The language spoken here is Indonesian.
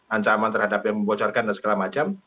ancaman terhadap yang membocorkan dan segala macam